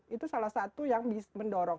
itu salah satu yang mendorong